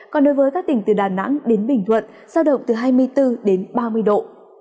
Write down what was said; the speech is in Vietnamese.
còn đối với các tỉnh từ đà nẵng đến bình thuận giao động từ hai mươi bốn đến ba mươi độ